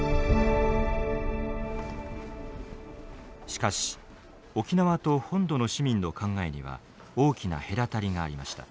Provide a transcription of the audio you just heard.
しかし沖縄と本土の市民の考えには大きな隔たりがありました。